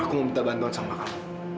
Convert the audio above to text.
aku minta bantuan sama kamu